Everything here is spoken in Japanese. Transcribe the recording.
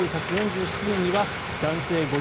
１９４７年には男性